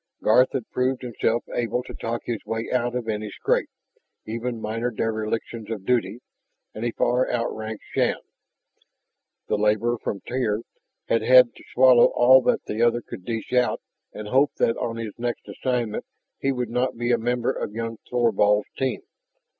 Garth had proved himself able to talk his way out of any scrape, even minor derelictions of duty, and he far out ranked Shann. The laborer from Tyr had had to swallow all that the other could dish out and hope that on his next assignment he would not be a member of young Thorvald's team.